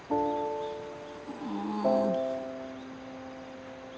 うん。